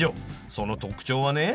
その特徴はね